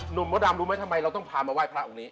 มดดำรู้ไหมทำไมเราต้องพามาไหว้พระองค์นี้